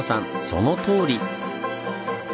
そのとおり！